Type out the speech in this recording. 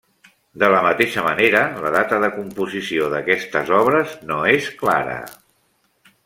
De la mateixa manera, la data de composició d'aquestes obres no és clara.